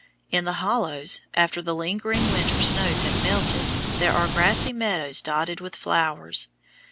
In the hollows, after the lingering winter snows have melted, there are grassy meadows dotted with flowers.